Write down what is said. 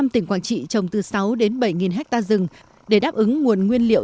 tỉnh quảng trị trồng từ sáu đến bảy hectare rừng để đáp ứng nguồn nguyên liệu